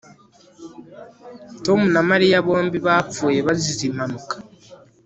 Tom na Mariya bombi bapfuye bazize impanuka